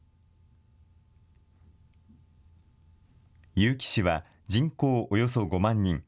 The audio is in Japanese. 結城市は人口およそ５万人。